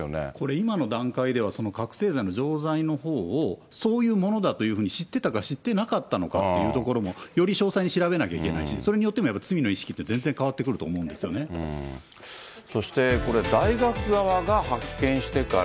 今の段階では、覚醒剤の錠剤のほうをそういうものだというふうに知ってたか知ってなかったのかっていうところも、より詳細に調べないといけないし、それによってもやはり罪の意識って全然変わってくると思うんですファミマがまた増量する。